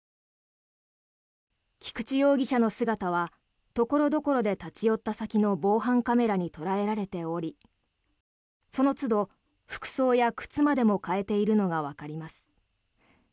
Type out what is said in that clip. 菊池容疑者の姿は所々で立ち寄った先の防犯カメラに捉えられておりそのつど服装や靴までも変えているのがわかります。